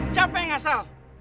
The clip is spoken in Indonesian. siapa yang asal